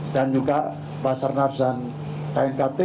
dan juga pasar nas dan kt